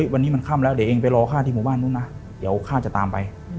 วันนี้มันค่ำแล้วเดี๋ยวเองไปรอข้าที่หมู่บ้านนู้นนะเดี๋ยวข้าจะตามไป